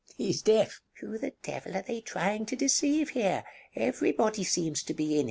He is deaf! Basilio [aside] Who the devil are they trying to deceive here? Everybody seems to be in it!